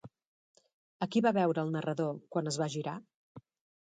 A qui va veure el narrador quan es va girar?